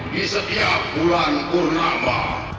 di setiap bulan kurnama